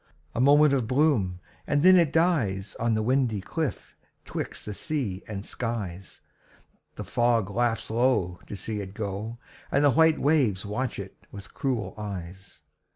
A moment of bloom, and then it dies On the windy cliff 'twixt the sea and skies. The fog laughs low to see it go, And the white waves watch it with cruel eyes.